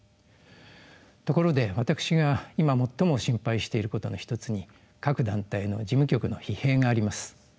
ところで私が今最も心配していることの一つに各団体の事務局の疲弊があります。